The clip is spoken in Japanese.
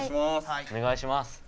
お願いします。